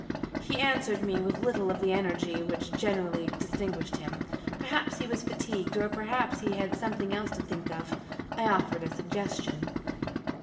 He answered me with little of the energy which generally distinguished him. Perhaps he was fatigued, or perhaps he had something else to think of. I offered a suggestion.